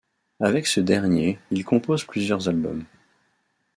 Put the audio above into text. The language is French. Avec ce dernier, il compose plusieurs albums.